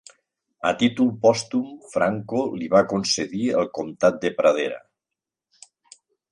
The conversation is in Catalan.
A títol pòstum Franco li va concedir el Comtat de Pradera.